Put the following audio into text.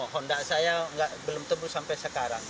honda saya belum tebu sampai sekarang